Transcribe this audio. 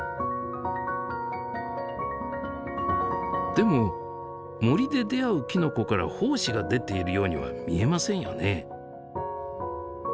でも森で出会うきのこから胞子が出ているようには見えませんよね。